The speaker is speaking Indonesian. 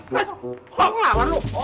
mau lari kemana lu ha